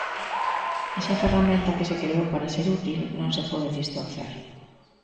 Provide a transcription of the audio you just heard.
Esa ferramenta que se creou para ser útil, non se pode distorcer.